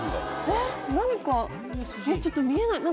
えっちょっと見えない。